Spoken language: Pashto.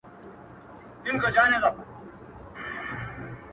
له ټولو بېل یم، د تیارې او د رڼا زوی نه یم،